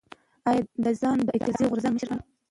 ایا ده ځان د اعتراضي غورځنګ مشر ګڼي؟